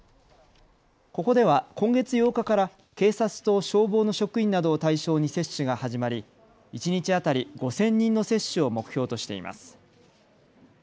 ここでは今月８日から警察と消防の職員などを対象に接種が始まり一日当たり５０００人の接種を目標としています。